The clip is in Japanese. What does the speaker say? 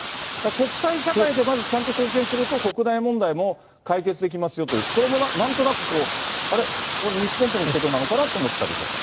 国際社会でまずちゃんと貢献すると、国内問題も解決できますよという、これもなんとなく、こう、あれ、日本とのことなのかなと思ったりとか。